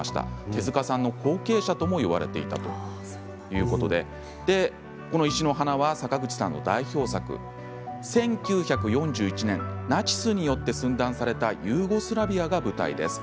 手塚さんの後継者とも言われていたということでこの「石の花」は坂口さんの代表作、１９４１年ナチスによって寸断されたユーゴスラビアが舞台です。